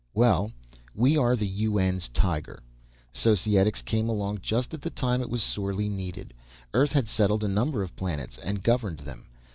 "Well we are the UN's tiger. Societics came along just at the time it was sorely needed. Earth had settled a number of planets, and governed them.